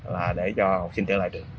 là để cho học sinh trở lại trường